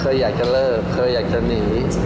เคยอยากจะเลิอยังจะหนี